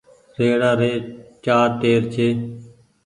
ريڙآ ري چآر ٽير ڇي۔